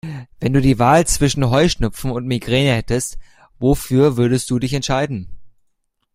Wenn du die Wahl zwischen Heuschnupfen und Migräne hättest, wofür würdest du dich entscheiden?